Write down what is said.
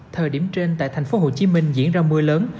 thời điểm trên tại thành phố hồ chí minh diễn ra mưa lớn